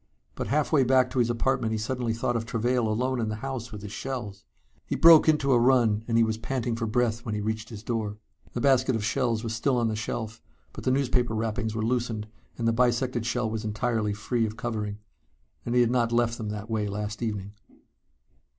But halfway back to his apartment he suddenly thought of Travail alone in the house with his shells. He broke into a run and he was panting for breath when he reached his door. The basket of shells was still on the shelf, but the newspaper wrappings were loosened, and the bisected shell was entirely free of covering. And he had not left them that way last evening.